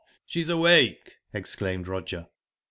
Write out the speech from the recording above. She's awake," exclaimed Roger.